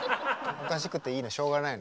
おかしくていいのしょうがないの。